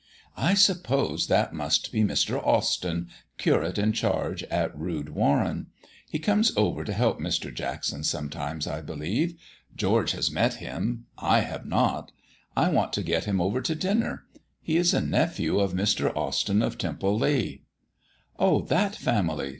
"I suppose that must be Mr. Austyn, curate in charge at Rood Warren. He comes over to help Mr. Jackson sometimes, I believe. George has met him; I have not. I want to get him over to dinner. He is a nephew of Mr. Austyn of Temple Leigh." "Oh, that family!"